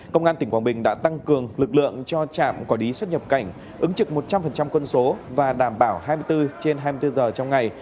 công an tỉnh quảng bình đã tăng cường lực lượng cho trạm quả đí xuất nhập cảnh ứng trực một trăm linh cân số và đảm bảo hai mươi bốn trên hai mươi bốn h trong ngày